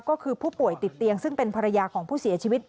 ก็คือผู้ป่วยติดเตียงซึ่งเป็นภรรยาของผู้เสียชีวิต